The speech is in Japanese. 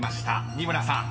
［仁村さん］